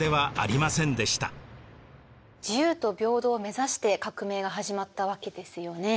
自由と平等を目指して革命が始まったわけですよね。